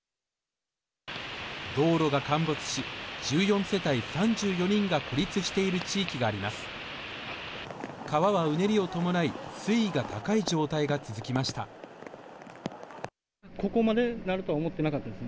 道路が陥没し１４世帯３４人が孤立している地域があります。